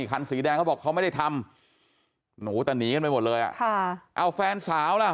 คันสีแดงเขาบอกเขาไม่ได้ทำหนูแต่หนีกันไปหมดเลย